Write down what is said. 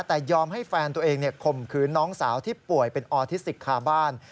แต่ยอมให้แฟนตัวเองข่มขืนน้องสาวที่ป่วยเป็นออทิสติกคาบ้าน